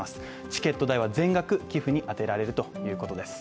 チケット代は全額寄付に充てられるということです。